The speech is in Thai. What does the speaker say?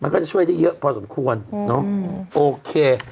มันก็จะช่วยได้เยอะพอสมควรเนอะโอเค